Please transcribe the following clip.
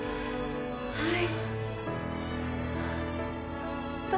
はい。